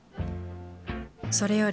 それより